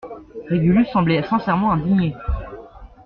Régulus semblait sincèrement indigné.